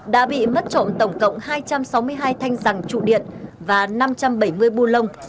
đã bị mất trộm tổng cộng hai trăm sáu mươi hai thanh rằng trụ điện và năm trăm bảy mươi bu lông